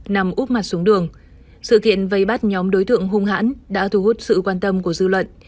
nằm úp mặt xuống đường sự kiện vây bắt nhóm đối tượng hung hãn đã thu hút sự quan tâm của dư luận